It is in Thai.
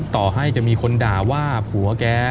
ต่อให้จะมีคนด่าว่าผัวแก